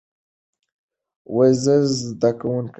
زه زدکونکې ېم